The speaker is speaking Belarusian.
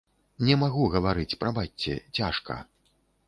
Не магу гаварыць, прабачце, цяжка.